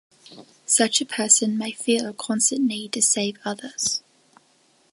Such a person may feel a constant need to "save" others.